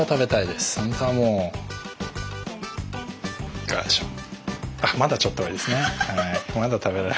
いかがでしょう。